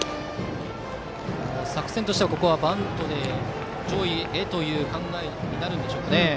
作戦としてはここはバントで上位へという考えになるんでしょうかね？